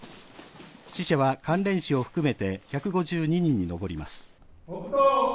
死者は関連死を含めて１５２人に上ります。